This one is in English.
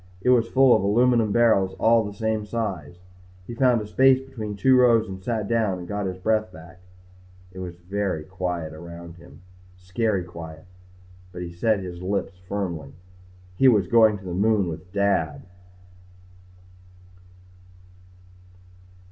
It was full of aluminum barrels all the same size. He found a space between two rows and sat down and got his breath back. It was very quiet around him. Scary quiet. But he set his lips firmly. He was going to the moon with Dad.